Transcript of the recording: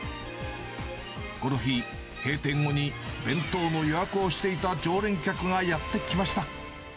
この日、閉店後に弁当の予約をしていた常連客がやって来ました。